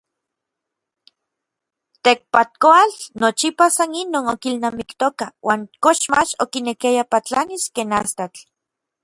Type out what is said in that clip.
Tekpatkoatl nochipa san inon okilnamiktoka uan koxmach okinekiaya patlanis ken astatl.